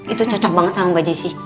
itu cocok banget sama mbak jessi